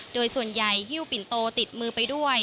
โดยส่วนใหญ่ฮิ้วปิ่นโตติดมือไปด้วย